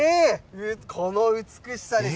この美しさです。